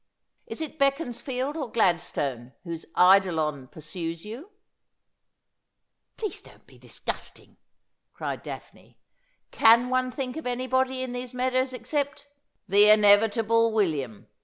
Is it Beaconsfield or Gladstone whose eidolon pursues you ?'' Please don't be disgusting,' cried Daphne. ' Can one think of anybody in these meadows except '' "The inevitable William.